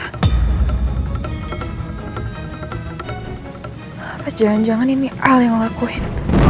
apa jangan jangan ini al yang lakuin